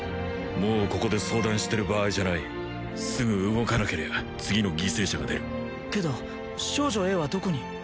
もうここで相談してる場合じゃないすぐ動かなけりゃ次の犠牲者が出るけど少女Ａはどこに？